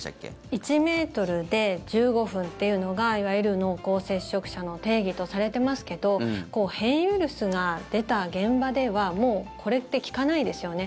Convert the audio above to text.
１ｍで１５分というのがいわゆる濃厚接触者の定義とされてますけど変異ウイルスが出た現場ではもうこれって効かないですよね。